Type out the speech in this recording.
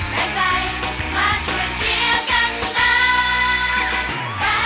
แม่ใจมาช่วยเชียร์กันน่า